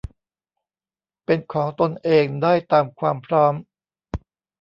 เป็นของตนเองได้ตามความพร้อม